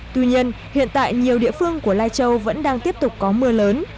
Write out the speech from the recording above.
tuy nhiên hiện tại nhiều địa phương của lai châu vẫn đang tiếp tục có mưa lớn